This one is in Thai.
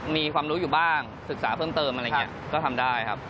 มีความรู้อยู่บ้างศึกษาเพิ่มเติมอะไรอย่างนี้ก็ทำได้ครับ